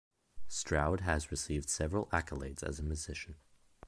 Stroud has received several accolades as a musician.